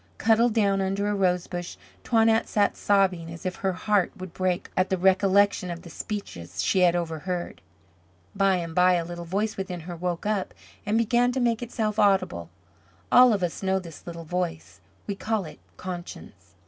Cuddled down under a rosebush, Toinette sat sobbing as if her heart would break at the recollection of the speeches she had overheard. By and by a little voice within her woke up and began to make itself audible. All of us know this little voice. We call it conscience.